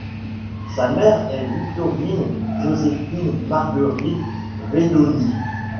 Sa mère est Victorine-Joséphine Marguerite Velloni.